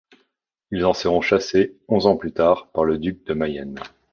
Ils en seront chassés onze ans plus tard par le duc de Mayenne.